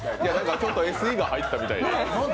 ちょっとＳＥが入ったみたいで。